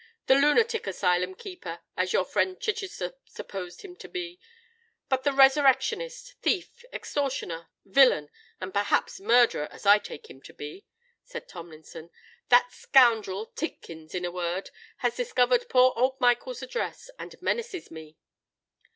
"The lunatic asylum keeper, as your friend Chichester supposed him to be—but the resurrectionist, thief, extortioner, villain, and perhaps murderer, as I take him to be," said Tomlinson,—"that scoundrel Tidkins, in a word, has discovered poor old Michael's address, and menaces me."